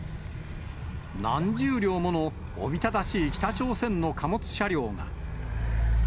何十両ものおびただしい北朝鮮の貨物車両が。